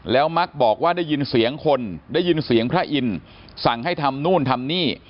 แล้วมักบอกว่าได้ยินเสียงคนได้ยินเสียงพระอินทร์สั่งให้ทำนู่นทำนี่